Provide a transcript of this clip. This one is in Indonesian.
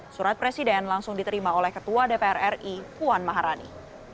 surat presiden langsung diterima oleh ketua dpr ri puan maharani